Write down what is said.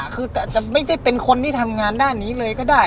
คือแต่อาจจะไม่ได้เป็นคนที่ทำงานด้านนี้เลยก็ได้